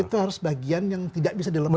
itu harus bagian yang tidak bisa dilemahkan